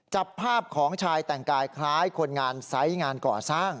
จับภาพของชายแต่งกายคล้ายคนงานไซส์งานก่อสร้าง